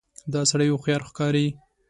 دا سړی هوښیار ښکاري.